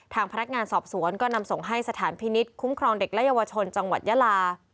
ทางพนักงานสอบสวนก็นำส่งให้สถานพินิษฐ์คุ้มครองเด็กและเยาวชนจังหวัดยาลา